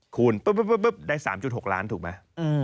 คูณปุ๊บได้๓๖ล้านถูกไหม